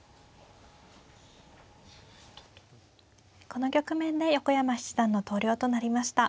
この局面で横山七段の投了となりました。